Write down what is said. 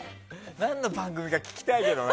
何の番組か聞きたいけどな。